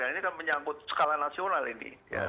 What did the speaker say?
ini kan menyangkut skala nasional ini